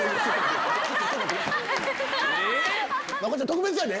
特別やで！